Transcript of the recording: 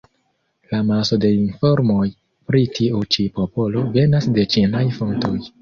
La maso de informoj pri tiu ĉi popolo venas de ĉinaj fontoj.